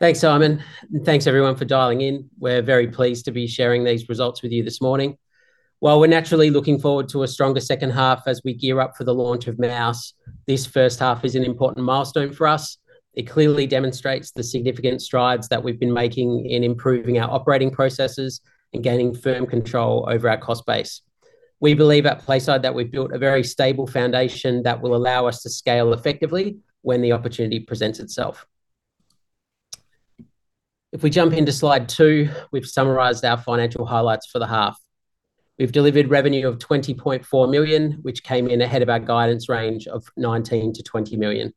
Thanks, Simon, and thanks everyone for dialing in. We're very pleased to be sharing these results with you this morning. While we're naturally looking forward to a stronger second half as we gear up for the launch of Mouse, this first half is an important milestone for us. It clearly demonstrates the significant strides that we've been making in improving our operating processes and gaining firm control over our cost base. We believe at PlaySide that we've built a very stable foundation that will allow us to scale effectively when the opportunity presents itself. If we jump into slide two, we've summarized our financial highlights for the half. We've delivered revenue of 20.4 million, which came in ahead of our guidance range of 19 million-20 million.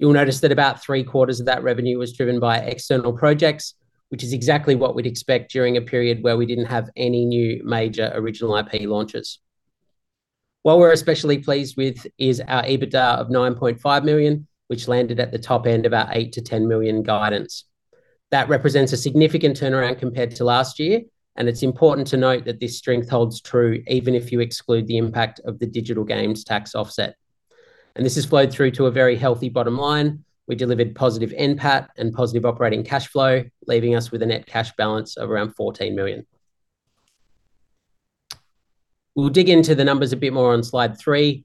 You'll notice that about three-quarters of that revenue was driven by external projects, which is exactly what we'd expect during a period where we didn't have any new major original IP launches. What we're especially pleased with is our EBITDA of 9.5 million, which landed at the top end of our 8 million-10 million guidance. That represents a significant turnaround compared to last year, and it's important to note that this strength holds true even if you exclude the impact of the Digital Games Tax Offset. This has flowed through to a very healthy bottom line. We delivered positive NPAT and positive operating cash flow, leaving us with a net cash balance of around 14 million. We'll dig into the numbers a bit more on Slide 3.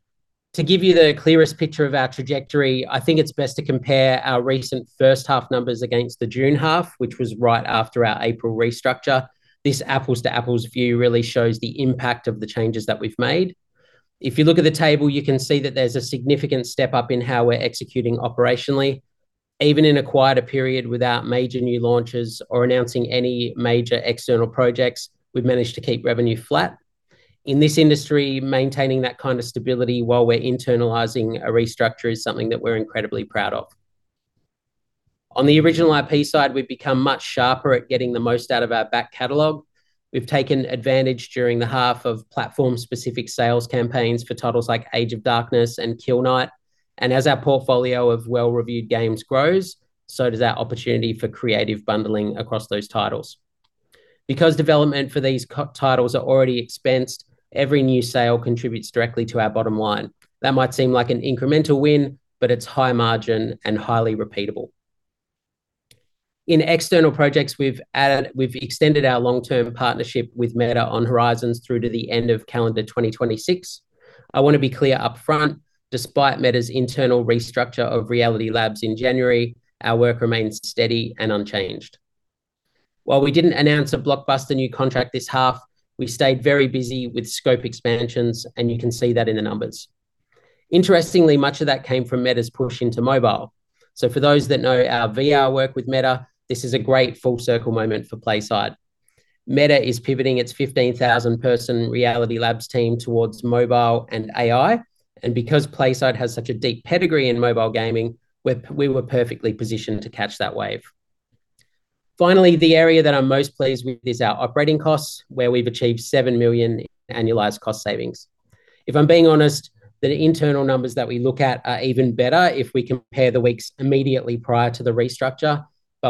To give you the clearest picture of our trajectory, I think it's best to compare our recent first half numbers against the June half, which was right after our April restructure. This apples-to-apples view really shows the impact of the changes that we've made. If you look at the table, you can see that there's a significant step up in how we're executing operationally. Even in a quieter period without major new launches or announcing any major external projects, we've managed to keep revenue flat. In this industry, maintaining that kind of stability while we're internalizing a restructure is something that we're incredibly proud of. On the original IP side, we've become much sharper at getting the most out of our back catalog. We've taken advantage during the half of platform-specific sales campaigns for titles like Age of Darkness and Kill Knight. As our portfolio of well-reviewed games grows, so does our opportunity for creative bundling across those titles. Because development for these titles are already expensed, every new sale contributes directly to our bottom line. That might seem like an incremental win, but it's high margin and highly repeatable. In external projects, we've extended our long-term partnership with Meta on Horizons through to the end of calendar 2026. I wanna be clear upfront, despite Meta's internal restructure of Reality Labs in January, our work remains steady and unchanged. While we didn't announce a blockbuster new contract this half, we stayed very busy with scope expansions, and you can see that in the numbers. Interestingly, much of that came from Meta's push into mobile. For those that know our VR work with Meta, this is a great full-circle moment for PlaySide. Meta is pivoting its 15,000-person Reality Labs team towards mobile and AI. Because PlaySide has such a deep pedigree in mobile gaming, we were perfectly positioned to catch that wave. Finally, the area that I'm most pleased with is our operating costs, where we've achieved 7 million annualized cost savings. If I'm being honest, the internal numbers that we look at are even better if we compare the weeks immediately prior to the restructure.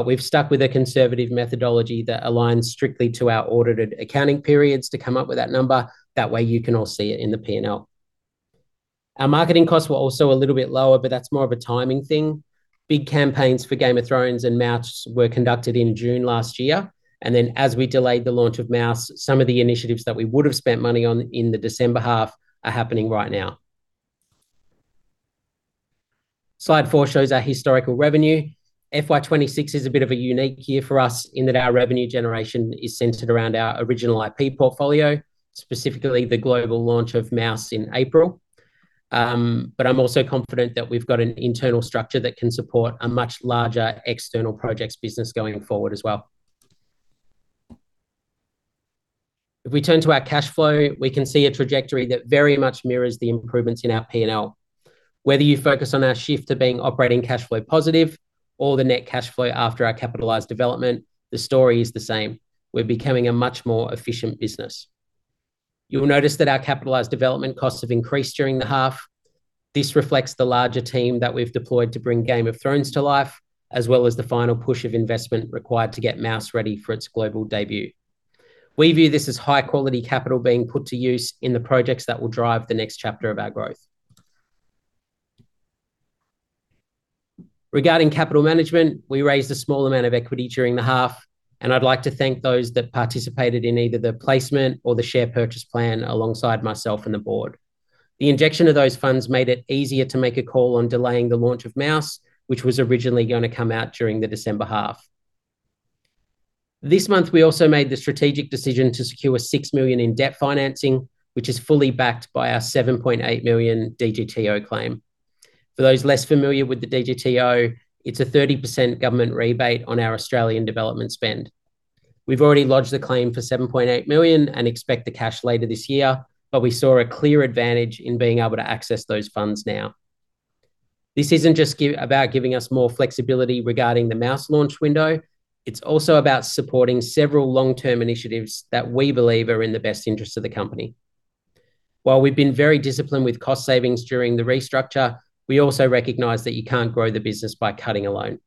We've stuck with a conservative methodology that aligns strictly to our audited accounting periods to come up with that number. That way, you can all see it in the P&L. Our marketing costs were also a little bit lower. That's more of a timing thing. Big campaigns for Game of Thrones and Mouse were conducted in June last year, and then as we delayed the launch of Mouse, some of the initiatives that we would have spent money on in the December half are happening right now. Slide 4 shows our historical revenue. FY 2026 is a bit of a unique year for us in that our revenue generation is centered around our original IP portfolio, specifically the global launch of Mouse in April. I'm also confident that we've got an internal structure that can support a much larger external projects business going forward as well. If we turn to our cash flow, we can see a trajectory that very much mirrors the improvements in our P&L. Whether you focus on our shift to being operating cash flow positive or the net cash flow after our capitalized development, the story is the same: we're becoming a much more efficient business. You'll notice that our capitalized development costs have increased during the half. This reflects the larger team that we've deployed to bring Game of Thrones to life, as well as the final push of investment required to get Mouse ready for its global debut. We view this as high-quality capital being put to use in the projects that will drive the next chapter of our growth. Regarding capital management, we raised a small amount of equity during the half, and I'd like to thank those that participated in either the placement or the share purchase plan alongside myself and the board. The injection of those funds made it easier to make a call on delaying the launch of Mouse, which was originally going to come out during the December half. This month, we also made the strategic decision to secure 6 million in debt financing, which is fully backed by our 7.8 million DGTO claim. For those less familiar with the DGTO, it's a 30% government rebate on our Australian development spend. We've already lodged a claim for 7.8 million and expect the cash later this year. We saw a clear advantage in being able to access those funds now. This isn't just about giving us more flexibility regarding the Mouse launch window, it's also about supporting several long-term initiatives that we believe are in the best interest of the company. While we've been very disciplined with cost savings during the restructure, we also recognize that you can't grow the business by cutting alone.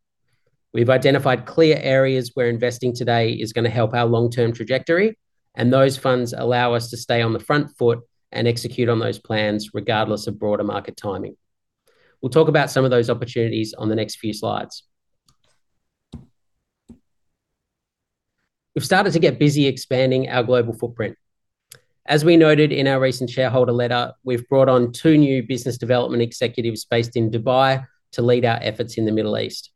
We've identified clear areas where investing today is going to help our long-term trajectory. Those funds allow us to stay on the front foot and execute on those plans, regardless of broader market timing. We'll talk about some of those opportunities on the next few slides. We've started to get busy expanding our global footprint. As we noted in our recent shareholder letter, we've brought on two new business development executives based in Dubai to lead our efforts in the Middle East.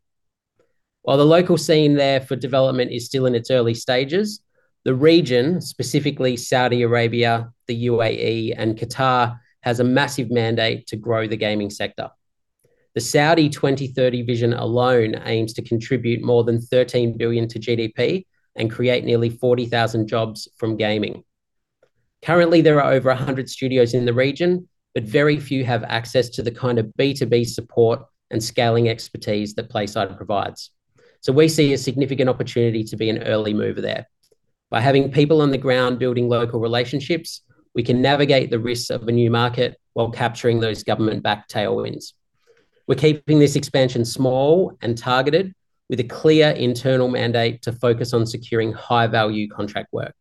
While the local scene there for development is still in its early stages, the region, specifically Saudi Arabia, the UAE, and Qatar, has a massive mandate to grow the gaming sector. The Saudi Vision 2030 alone aims to contribute more than 13 billion to GDP and create nearly 40,000 jobs from gaming. Currently, there are over 100 studios in the region, very few have access to the kind of B2B support and scaling expertise that PlaySide provides. We see a significant opportunity to be an early mover there. By having people on the ground building local relationships, we can navigate the risks of a new market while capturing those government-backed tailwinds. We're keeping this expansion small and targeted, with a clear internal mandate to focus on securing high-value contract work.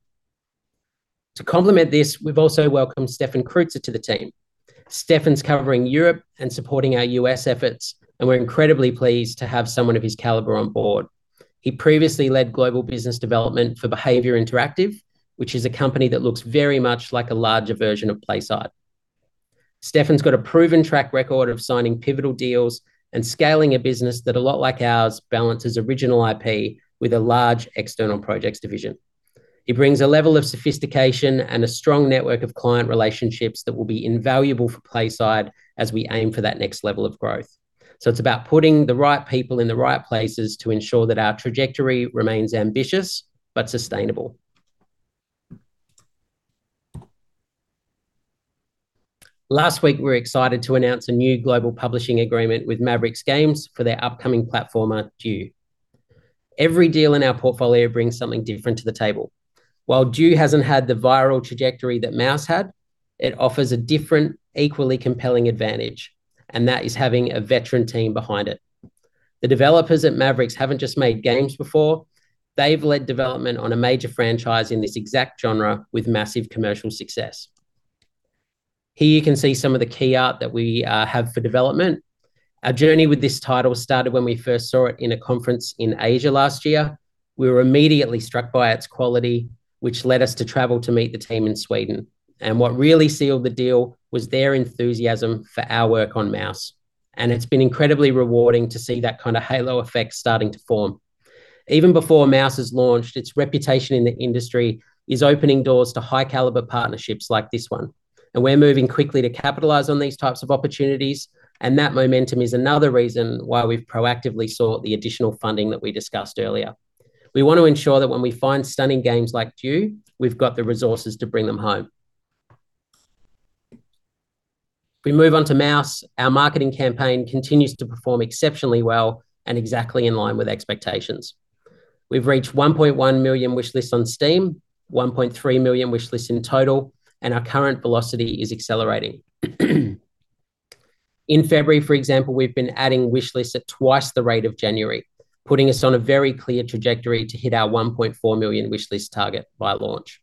To complement this, we've also welcomed Stefan Kreutzer to the team. Stefan's covering Europe and supporting our US efforts, and we're incredibly pleased to have someone of his caliber on board. He previously led global business development for Behaviour Interactive, which is a company that looks very much like a larger version of PlaySide. Stefan's got a proven track record of signing pivotal deals and scaling a business that, a lot like ours, balances original IP with a large external projects division. He brings a level of sophistication and a strong network of client relationships that will be invaluable for PlaySide as we aim for that next level of growth. It's about putting the right people in the right places to ensure that our trajectory remains ambitious but sustainable. Last week, we were excited to announce a new global publishing agreement with Maverick Games for their upcoming platformer, Boons. Every deal in our portfolio brings something different to the table. While Boons hasn't had the viral trajectory that Mouse had, it offers a different, equally compelling advantage, and that is having a veteran team behind it. The developers at Maverick's haven't just made games before, they've led development on a major franchise in this exact genre with massive commercial success. Here you can see some of the key art that we have for development. Our journey with this title started when we first saw it in a conference in Asia last year. We were immediately struck by its quality, which led us to travel to meet the team in Sweden, and what really sealed the deal was their enthusiasm for our work on Mouse, and it's been incredibly rewarding to see that kind of halo effect starting to form. Even before Mouse is launched, its reputation in the industry is opening doors to high-caliber partnerships like this one, and we're moving quickly to capitalize on these types of opportunities, and that momentum is another reason why we've proactively sought the additional funding that we discussed earlier. We want to ensure that when we find stunning games like Dune, we've got the resources to bring them home. If we move on to Mouse, our marketing campaign continues to perform exceptionally well and exactly in line with expectations. We've reached 1.1 million wishlists on Steam, 1.3 million wishlists in total, and our current velocity is accelerating. In February, for example, we've been adding wishlists at twice the rate of January, putting us on a very clear trajectory to hit our 1.4 million wishlist target by launch.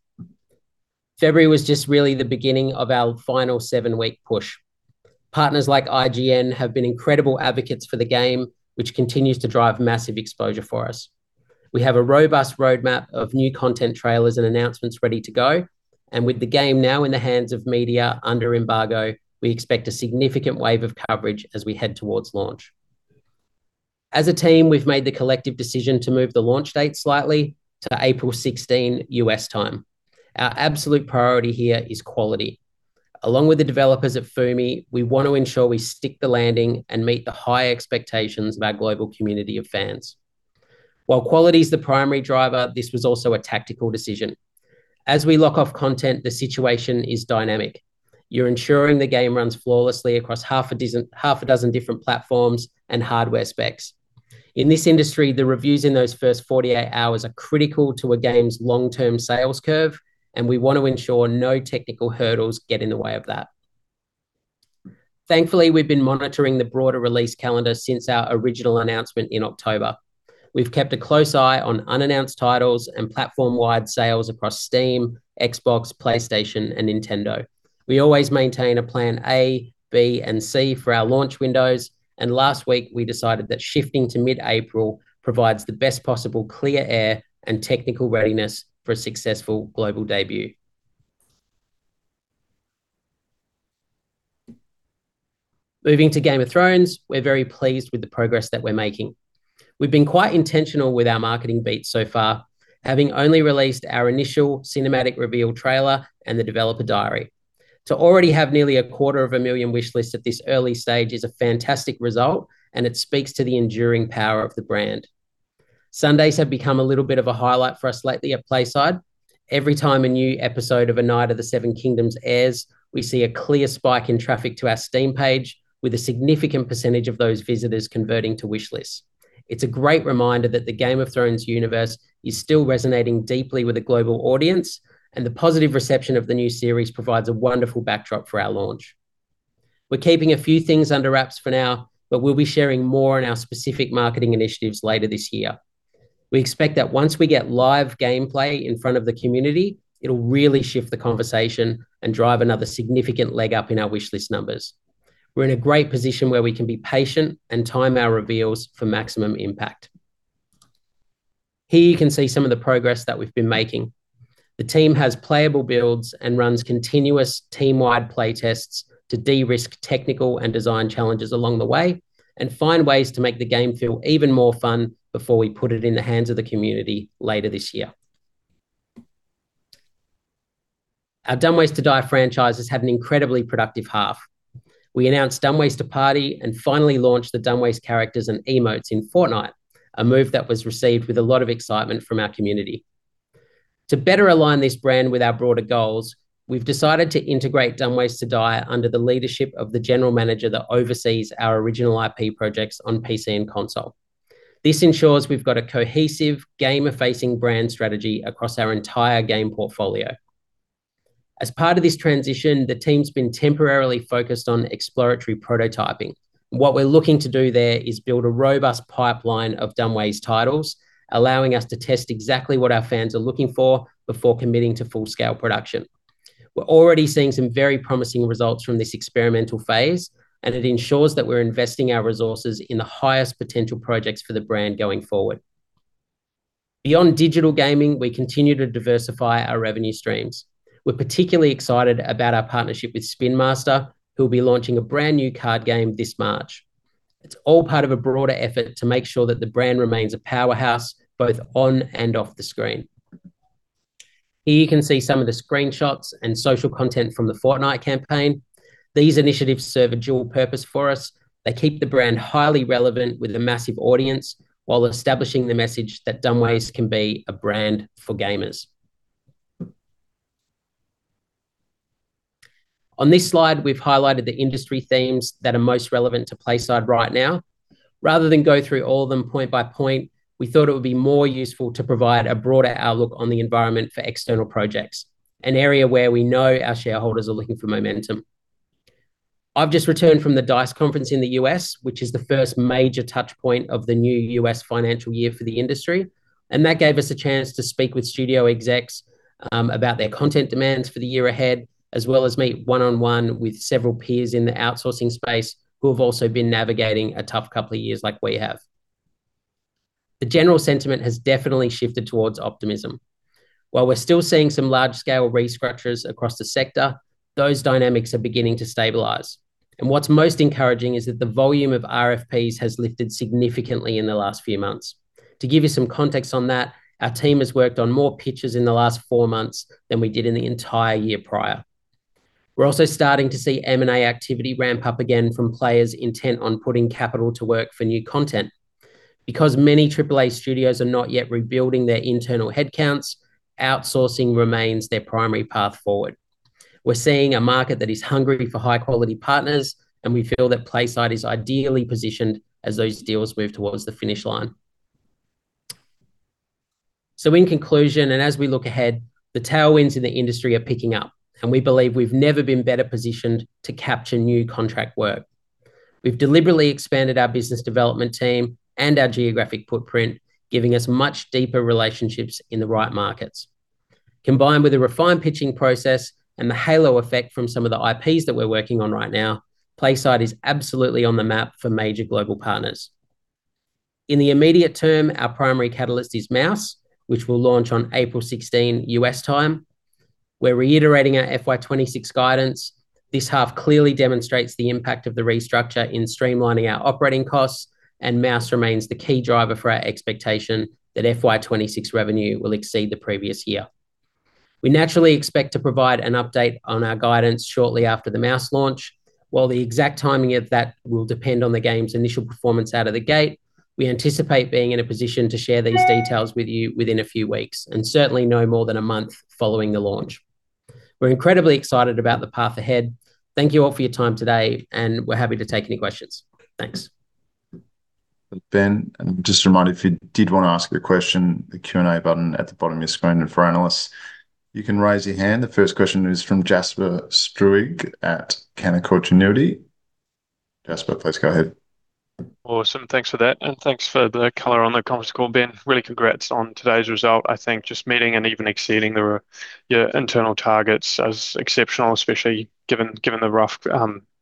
February was just really the beginning of our final seven-week push. Partners like IGN have been incredible advocates for the game, which continues to drive massive exposure for us. We have a robust roadmap of new content, trailers, and announcements ready to go, and with the game now in the hands of media under embargo, we expect a significant wave of coverage as we head towards launch. As a team, we've made the collective decision to move the launch date slightly to April 16, U.S. time. Our absolute priority here is quality. Along with the developers at Fumi, we want to ensure we stick the landing and meet the high expectations of our global community of fans. While quality is the primary driver, this was also a tactical decision. As we lock off content, the situation is dynamic. You're ensuring the game runs flawlessly across half a dozen, half a dozen different platforms and hardware specs. In this industry, the reviews in those first 48 hours are critical to a game's long-term sales curve, and we want to ensure no technical hurdles get in the way of that. Thankfully, we've been monitoring the broader release calendar since our original announcement in October. We've kept a close eye on unannounced titles and platform-wide sales across Steam, Xbox, PlayStation, and Nintendo. We always maintain a plan A, B, and C for our launch windows, and last week we decided that shifting to mid-April provides the best possible clear air and technical readiness for a successful global debut. Moving to Game of Thrones, we're very pleased with the progress that we're making. We've been quite intentional with our marketing beat so far, having only released our initial cinematic reveal trailer and the developer diary. To already have nearly a quarter of a million wishlists at this early stage is a fantastic result, and it speaks to the enduring power of the brand. Sundays have become a little bit of a highlight for us lately at PlaySide. Every time a new episode of A Knight of the Seven Kingdoms airs, we see a clear spike in traffic to our Steam page, with a significant % of those visitors converting to wishlists. It's a great reminder that the Game of Thrones universe is still resonating deeply with a global audience, and the positive reception of the new series provides a wonderful backdrop for our launch. We're keeping a few things under wraps for now, but we'll be sharing more on our specific marketing initiatives later this year. We expect that once we get live gameplay in front of the community, it'll really shift the conversation and drive another significant leg up in our wishlist numbers. We're in a great position where we can be patient and time our reveals for maximum impact. Here you can see some of the progress that we've been making. The team has playable builds and runs continuous team-wide play tests to de-risk technical and design challenges along the way, and find ways to make the game feel even more fun before we put it in the hands of the community later this year. Our Dumb Ways to Die franchise has had an incredibly productive half. We announced Dumb Ways to Party, and finally launched the Dumb Ways characters and emotes in Fortnite, a move that was received with a lot of excitement from our community. To better align this brand with our broader goals, we've decided to integrate Dumb Ways to Die under the leadership of the general manager that oversees our original IP projects on PC and console. This ensures we've got a cohesive gamer-facing brand strategy across our entire game portfolio. As part of this transition, the team's been temporarily focused on exploratory prototyping. What we're looking to do there is build a robust pipeline of Dumb Ways titles, allowing us to test exactly what our fans are looking for before committing to full-scale production. We're already seeing some very promising results from this experimental phase. It ensures that we're investing our resources in the highest potential projects for the brand going forward. Beyond digital gaming, we continue to diversify our revenue streams. We're particularly excited about our partnership with Spin Master, who will be launching a brand-new card game this March. It's all part of a broader effort to make sure that the brand remains a powerhouse both on and off the screen. Here you can see some of the screenshots and social content from the Fortnite campaign. These initiatives serve a dual purpose for us. They keep the brand highly relevant with a massive audience, while establishing the message that Dumb Ways can be a brand for gamers. On this slide, we've highlighted the industry themes that are most relevant to PlaySide right now. Rather than go through all of them point by point, we thought it would be more useful to provide a broader outlook on the environment for external projects, an area where we know our shareholders are looking for momentum. I've just returned from the D.I.C.E. conference in the U.S., which is the first major touch point of the new U.S. financial year for the industry, and that gave us a chance to speak with studio execs about their content demands for the year ahead, as well as meet one-on-one with several peers in the outsourcing space who have also been navigating a tough couple of years like we have. The general sentiment has definitely shifted towards optimism. While we're still seeing some large-scale restructures across the sector, those dynamics are beginning to stabilize. What's most encouraging is that the volume of RFPs has lifted significantly in the last few months. To give you some context on that, our team has worked on more pitches in the last four months than we did in the entire year prior. We're also starting to see M&A activity ramp up again from players intent on putting capital to work for new content. Because many AAA studios are not yet rebuilding their internal headcounts, outsourcing remains their primary path forward. We're seeing a market that is hungry for high-quality partners, and we feel that PlaySide is ideally positioned as those deals move towards the finish line. In conclusion, and as we look ahead, the tailwinds in the industry are picking up, and we believe we've never been better positioned to capture new contract work. We've deliberately expanded our business development team and our geographic footprint, giving us much deeper relationships in the right markets. Combined with a refined pitching process and the halo effect from some of the IPs that we're working on right now, PlaySide is absolutely on the map for major global partners. In the immediate term, our primary catalyst is Mouse, which will launch on April 16, US time. We're reiterating our FY26 guidance. This half clearly demonstrates the impact of the restructure in streamlining our operating costs, and Mouse remains the key driver for our expectation that FY26 revenue will exceed the previous year. We naturally expect to provide an update on our guidance shortly after the Mouse launch. While the exact timing of that will depend on the game's initial performance out of the gate, we anticipate being in a position to share these details with you within a few weeks, and certainly no more than a month following the launch. We're incredibly excited about the path ahead. Thank you all for your time today, and we're happy to take any questions. Thanks. Ben, just a reminder, if you did want to ask a question, the Q&A button at the bottom of your screen. For analysts, you can raise your hand. The first question is from Jasper Struwig at Canaccord Genuity. Jasper, please go ahead. Awesome, thanks for that, and thanks for the color on the conference call, Ben. Really congrats on today's result. I think just meeting and even exceeding the your internal targets is exceptional, especially given given the rough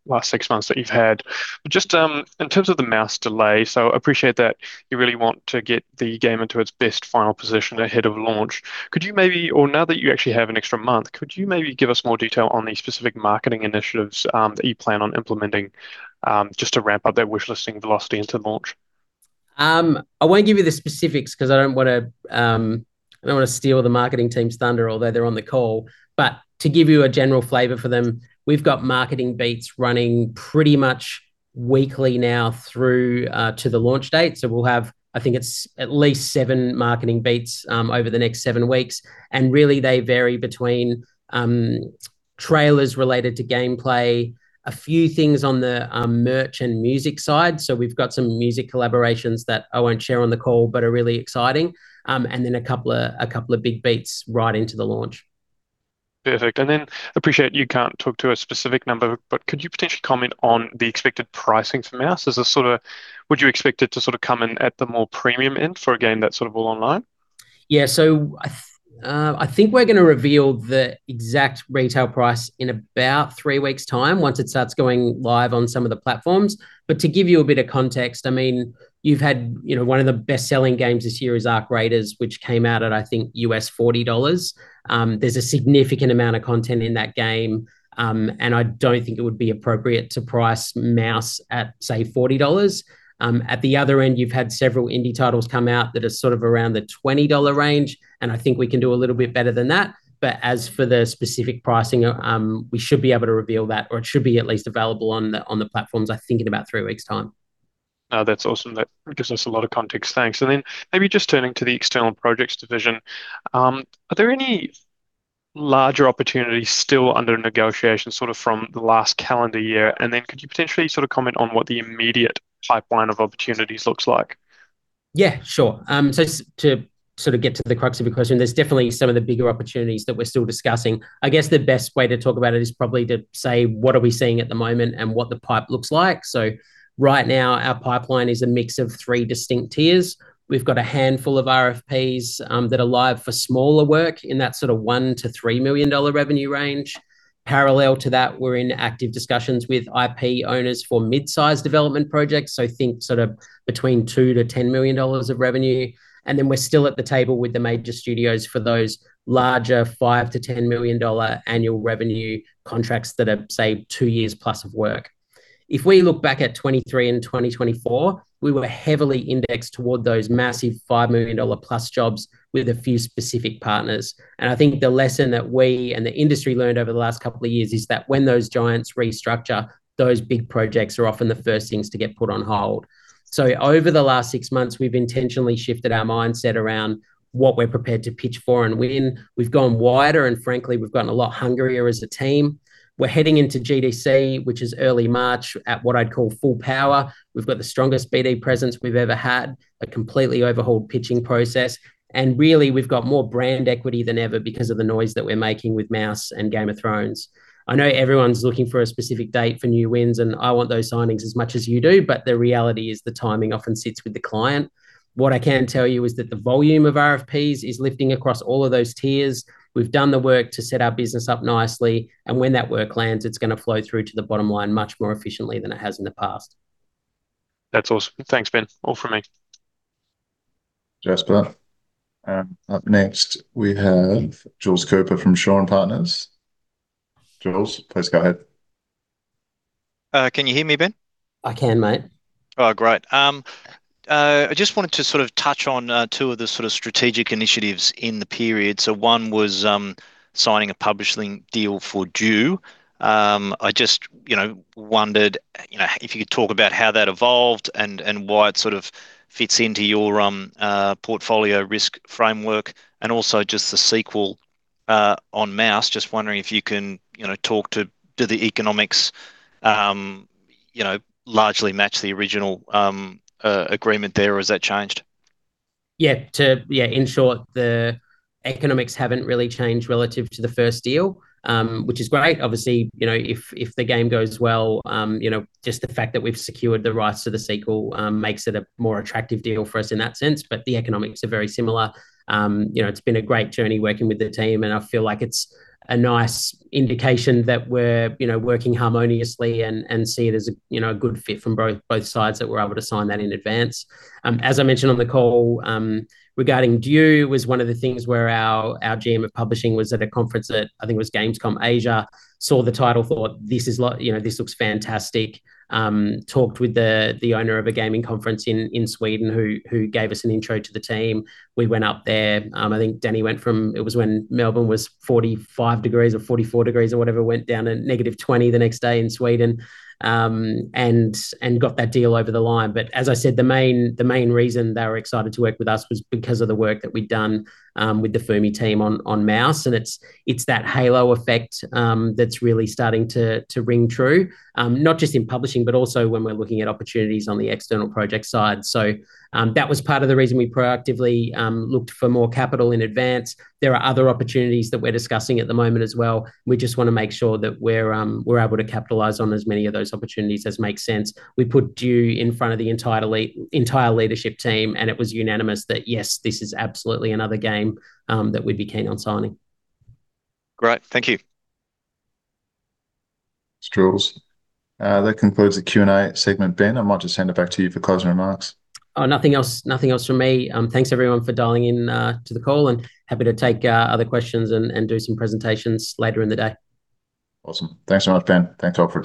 last six months that you've had. Just in terms of the Mouse delay. I appreciate that you really want to get the game into its best final position ahead of launch. Could you maybe, or now that you actually have an extra month, could you maybe give us more detail on the specific marketing initiatives that you plan on implementing just to ramp up that wish listing velocity into the launch? I won't give you the specifics, because I don't want to, I don't want to steal the marketing team's thunder, although they're on the call. To give you a general flavor for them, we've got marketing beats running pretty much weekly now through to the launch date. We'll have, I think it's at least seven marketing beats over the next seven weeks, and really they vary between trailers related to gameplay, a few things on the merch and music side. We've got some music collaborations that I won't share on the call, but are really exciting. Then a couple of, a couple of big beats right into the launch. Perfect. Appreciate you can't talk to a specific number, but could you potentially comment on the expected pricing for Mouse? Is this sort of, would you expect it to sort of come in at the more premium end for a game that's sort of all online? Yeah, I think we're gonna reveal the exact retail price in about three weeks' time, once it starts going live on some of the platforms. To give you a bit of context, I mean, you know, one of the best-selling games this year is Arc Raiders, which came out at, I think, US $40. There's a significant amount of content in that game, and I don't think it would be appropriate to price Mouse at, say, $40. At the other end, you've had several indie titles come out that are sort of around the $20 range, and I think we can do a little bit better than that. As for the specific pricing, we should be able to reveal that, or it should be at least available on the, on the platforms, I think, in about three weeks' time. Oh, that's awesome. That gives us a lot of context. Thanks. Maybe just turning to the external projects division, are there any larger opportunities still under negotiation, sort of from the last calendar year? Could you potentially sort of comment on what the immediate pipeline of opportunities looks like? Yeah, sure. So to sort of get to the crux of your question, there's definitely some of the bigger opportunities that we're still discussing. I guess the best way to talk about it is probably to say, what are we seeing at the moment and what the pipe looks like. Right now, our pipeline is a mix of three distinct tiers. We've got a handful of RFPs that are live for smaller work in that sort of 1 million-3 million dollar revenue range. Parallel to that, we're in active discussions with IP owners for mid-size development projects, so think sort of between 2 million to 10 million dollars of revenue. Then we're still at the table with the major studios for those larger 5 million-10 million dollar annual revenue contracts that are, say, two years+ of work. If we look back at 2023 and 2024, we were heavily indexed toward those massive 5 million dollar plus jobs with a few specific partners. I think the lesson that we and the industry learned over the last couple of years is that when those giants restructure, those big projects are often the first things to get put on hold. Over the last 6 months, we've intentionally shifted our mindset around what we're prepared to pitch for and win. We're heading into GDC, which is early March, at what I'd call full power. We've got the strongest BD presence we've ever had, a completely overhauled pitching process, and really, we've got more brand equity than ever because of the noise that we're making with Mouse and Game of Thrones. I know everyone's looking for a specific date for new wins, and I want those signings as much as you do, but the reality is the timing often sits with the client. What I can tell you is that the volume of RFPs is lifting across all of those tiers. We've done the work to set our business up nicely, and when that work lands, it's gonna flow through to the bottom line much more efficiently than it has in the past. That's awesome. Thanks, Ben. All from me. Jasper. Up next, we have Jules Cooper from Shaw and Partners. Jules, please go ahead. Can you hear me, Ben? I can, mate. Oh, great. I just wanted to sort of touch on 2 of the sort of strategic initiatives in the period. One was, signing a publishing deal for Dune. I just, you know, wondered, you know, if you could talk about how that evolved and, why it sort of fits into your portfolio risk framework, and also just the sequel on Mouse. Just wondering if you can, you know, talk to do the economics, you know, largely match the original agreement there, or has that changed? Yeah, yeah, in short, the economics haven't really changed relative to the first deal, which is great. Obviously, you know, if, if the game goes well, you know, just the fact that we've secured the rights to the sequel, makes it a more attractive deal for us in that sense, but the economics are very similar. You know, it's been a great journey working with the team, and I feel like it's a nice indication that we're, you know, working harmoniously and, and see it as a, you know, a good fit from both, both sides, that we're able to sign that in advance. As I mentioned on the call, regarding Dune, was one of the things where our GM of publishing was at a conference at, I think it was Gamescom Asia, saw the title, thought, "This is you know, this looks fantastic." Talked with the, the owner of a gaming conference in, in Sweden, who, who gave us an intro to the team. We went up there. I think Danny went from... It was when Melbourne was 45 degrees or 44 degrees or whatever, went down to -20 the next day in Sweden, and got that deal over the line. As I said, the main, the main reason they were excited to work with us was because of the work that we'd done with the Fumi team on, on Mouse, it's, it's that halo effect that's really starting to, to ring true, not just in publishing, but also when we're looking at opportunities on the external project side. That was part of the reason we proactively looked for more capital in advance. There are other opportunities that we're discussing at the moment as well. We just wanna make sure that we're, we're able to capitalize on as many of those opportunities as make sense. We put Dune in front of the entirely, entire leadership team, it was unanimous that, yes, this is absolutely another game that we'd be keen on signing. Great. Thank you. Thanks, Jules. That concludes the Q&A segment. Ben, I might just hand it back to you for closing remarks. Nothing else, nothing else from me. Thanks, everyone, for dialing in to the call, and happy to take other questions and, and do some presentations later in the day. Awesome. Thanks so much, Ben. Thanks, all, for attending.